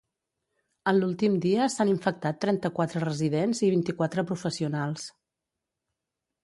En l’últim dia s’han infectat trenta-quatre residents i vint-i-quatre professionals.